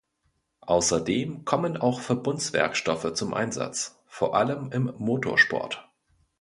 Außerdem kommen auch Verbundwerkstoffe zum Einsatz, vor allem im Motorsport.